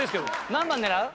何番狙う？